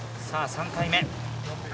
さあ、３回目。